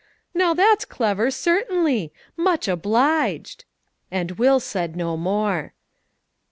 "Humph! Now, that's clever, certainly. Much obliged." And Will said no more.